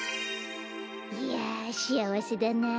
いやしあわせだな。